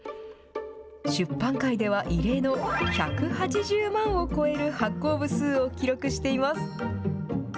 出版界では異例の１８０万を超える発行部数を記録しています。